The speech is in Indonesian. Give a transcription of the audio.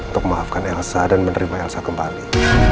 untuk memaafkan elsa dan menerima elsa kembali